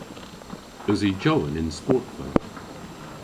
Usi Jowan y'n sportva?